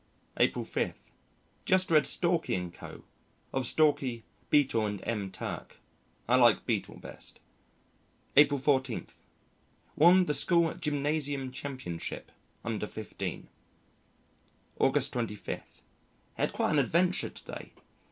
April 5. Just read Stalky & Co. Of Stalky, Beetle, and McTurk, I like Beetle best. April 14. Won the School Gymnasium championship (under fifteen). August 25. Had quite an adventure to day.